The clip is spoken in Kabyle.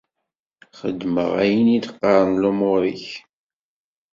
Xeddmeɣ ayen i d-qqaren lumuṛ-ik.